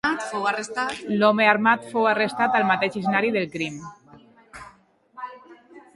L'home armat fou arrestat al mateix escenari del crim.